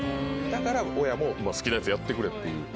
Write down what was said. だから親も「好きなやつやってくれ」っていう。